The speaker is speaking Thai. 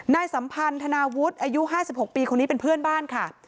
นายสัมพันธ์ธนาวุฒิอายุห้าสิบหกปีคนนี้เป็นเพื่อนบ้านค่ะ